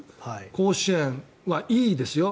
甲子園はいいですよ。